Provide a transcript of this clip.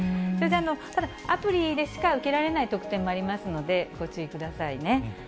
ただ、アプリでしか受けられない特典もありますので、ご注意くださいね。